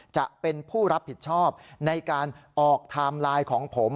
จะเป็นผู้รับผิดชอบในการออกไทม์ไลน์ของผม